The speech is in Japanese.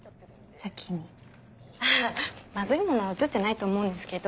まずいものは写ってないと思うんですけど。